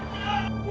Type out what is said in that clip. pak suki pak